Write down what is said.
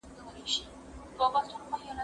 زه مخکي سبزیحات تيار کړي وو؟!